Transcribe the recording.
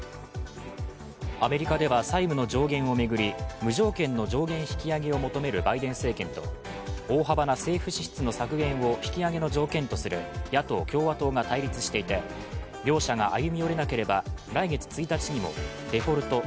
アメリカでは債務の上限を巡り、無条件の上限引き上げを求めるバイデン政権と大幅な政府支出の削減を引き上げの条件とする野党・共和党が対立していて両者が歩み寄れなければ来月１日にもデフォルト＝